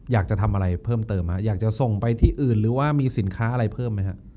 อยากจะทำอะไรเพิ่มเติมอยากจะส่งไปที่อื่นหรือว่ามีสินค้าอะไรเพิ่มไหมฮะ